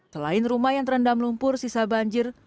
selain rumah yang terendam lumpur sisa banjir